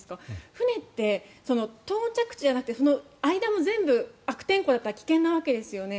船って到着地じゃなくてその間も全部悪天候だったら危険なわけですよね。